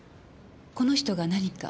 この人が何か？